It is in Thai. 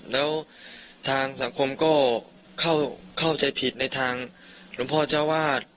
แล้วทางสังคมก็เข้าใจผิดในทางหลวงพ่อเจ้าวาด